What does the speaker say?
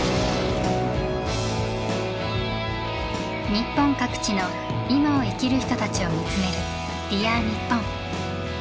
日本各地のいまを生きる人たちを見つめる「Ｄｅａｒにっぽん」。